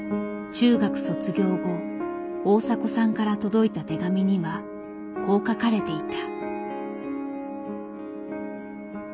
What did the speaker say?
中学卒業後大迫さんから届いた手紙にはこう書かれていた。